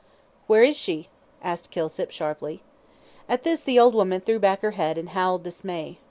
"Where is she?" asked Kilsip, sharply. At this the old woman threw back her head, and howled dismay.